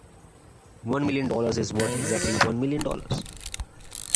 One million dollars is worth exactly one million dollars.